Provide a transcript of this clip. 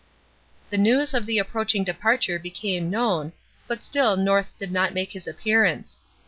The news of the approaching departure became known, but still North did not make his appearance.